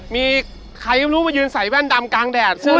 ใครก็รู้ว่ายืนใส่แบมดำกลางแดดกล้วยเหนือ